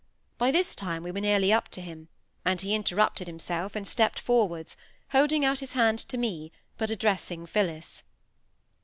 By this time we were nearly up to him; and he interrupted himself and stepped forwards; holding out his hand to me, but addressing Phillis.